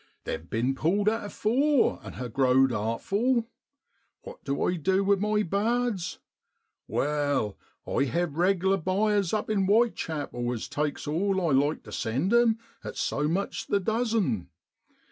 'They've bin pulled at afore, and ha' growed artful. What du I du with my bards ? Wai, I hev reg'lar buyers up in Whitechapel as takes all I like to send 'em, at so much the dozen.